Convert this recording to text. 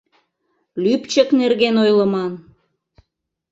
Лӱпчык нерген ойлыман.